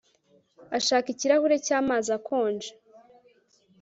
Ashaka ikirahuri cyamazi akonje